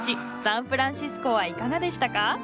サンフランシスコはいかがでしたか？